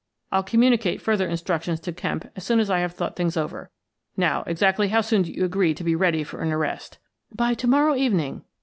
I'll communicate further instructions to Kemp as soon as I have thought things over. Now, exactly how soon do you agree to be ready for an arrest ?"" By to morrow evening."